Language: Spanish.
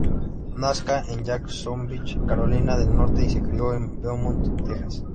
Nazca en Jacksonville, Carolina del Norte y se crio en Beaumont, Texas.